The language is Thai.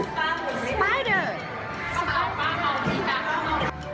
สปายเดอร์